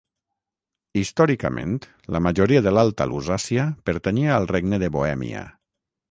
Històricament la majoria de l'Alta Lusàcia pertanyia al regne de Bohèmia.